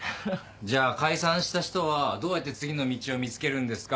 じゃあ解散した人はどうやって次の道を見つけるんですか？